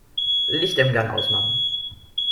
Licht im Gang ausmachen.